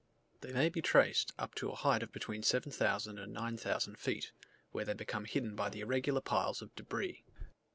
They may be traced up to a height of between 7000 and 9000 feet, where they become hidden by the irregular piles of debris.